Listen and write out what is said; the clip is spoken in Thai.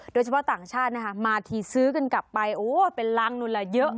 โดยเฉพาะต่างชาตินะคะมาทีซื้อกันกลับไปโอ้เป็นรังนู้นละเยอะ